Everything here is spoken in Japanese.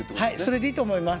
それでいいと思います。